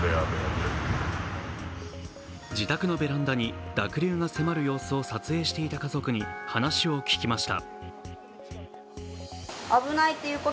自宅のベランダに濁流が迫る様子を撮影していた家族に話を聞きました。